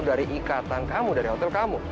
dari ikatan kamu dari hotel kamu